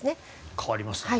変わりましたね。